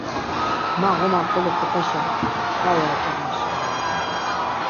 Ma ğoman xolo Xopaşa vidi, k̆ayi ar dulya şeni...